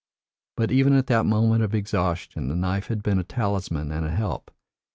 But even at that moment of exhaustion the knife had been a talisman and a help.